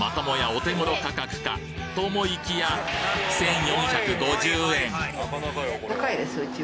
お手頃価格かと思いきや１，４５０円！